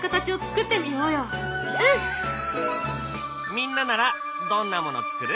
みんなならどんなもの作る？